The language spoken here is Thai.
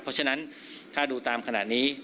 เพราะฉะนั้นถ้าดูตามขนาดนี้